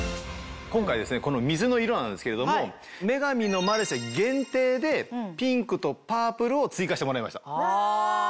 今回この水の色なんですけれども『女神のマルシェ』限定でピンクとパープルを追加してもらいました。